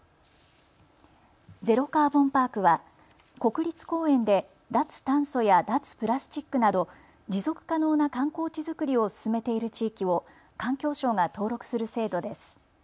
ゼロカーボンパークは国立公園で脱炭素や脱プラスチックなど持続可能な観光地づくりを進めている地域を環境省が登録する制度です。